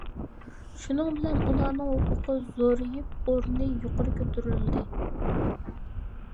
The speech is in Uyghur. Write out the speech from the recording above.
شۇنىڭ بىلەن ئۇلارنىڭ ھوقۇقى زورىيىپ، ئورنى يۇقىرى كۆتۈرۈلدى.